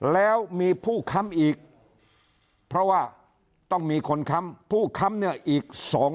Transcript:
แล้วมีผู้ค้ำอีกเพราะว่าต้องมีคนค้ำผู้ค้ำเนี่ยอีก๒คน